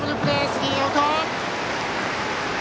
スリーアウト。